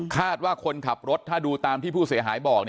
คาดว่าคนขับรถถ้าดูตามที่ผู้เสียหายบอก